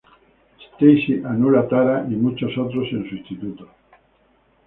Stacy anula Tara y muchos otros en su instituto.